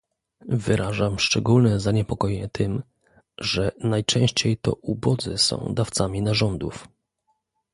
Wyrażam szczególne zaniepokojenie tym, że najczęściej to ubodzy są dawcami narządów